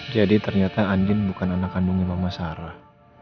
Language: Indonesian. jadi ternyata andien bukan anak kandungnya mama sarah